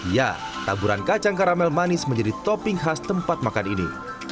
ya taburan kacang karamel manis menjadi topping khas tempat makan ini